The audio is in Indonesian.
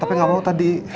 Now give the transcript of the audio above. tapi gak mau tadi